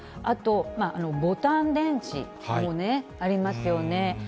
あとボタン電池もね、ありますよね。